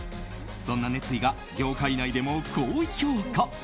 そんな熱意が業界内でも高評価。